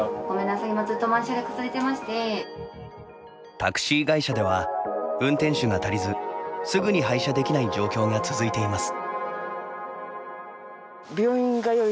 タクシー会社では運転手が足りずすぐに配車できない状況が続いています。